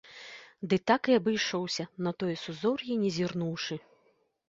Дык так і абышоўся, на тое сузор'е не зірнуўшы.